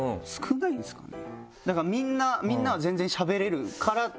みんなは全然しゃべれるから。